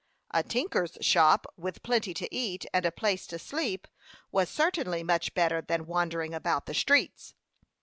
A tinker's shop, with plenty to eat, and a place to sleep, was certainly much better than wandering about the streets.